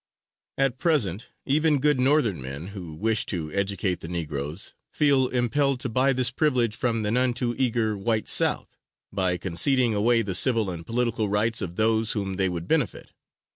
At present even good Northern men, who wish to educate the Negroes, feel impelled to buy this privilege from the none too eager white South, by conceding away the civil and political rights of those whom they would benefit.